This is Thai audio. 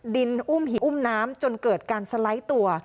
ดินอุ้มผีอุ้มน้ำจนเกิดการสไลด์ตัว